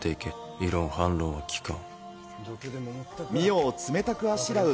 異論、反論は聞かん。